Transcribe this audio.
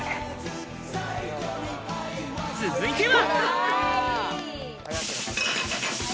続いては。